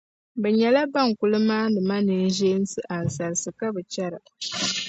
Bɛ nyɛla bɛn kul maani ma ninʒeensi ansarisi ka bi chɛra.